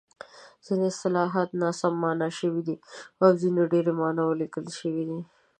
ځیني اصطلاحات ناسم مانا شوي دي او ځینو ته ډېرې ماناوې لیکل شوې دي.